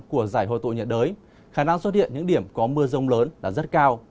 của giải hồi tụ nhiệt đới khả năng xuất hiện những điểm có mưa rông lớn là rất cao